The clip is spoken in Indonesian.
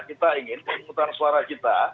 kita ingin pemungutan suara kita